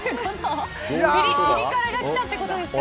ピリ辛がきたってことですかね。